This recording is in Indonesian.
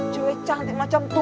cewek cantik macam tuh